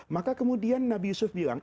maka kemudian nabi yusuf bilang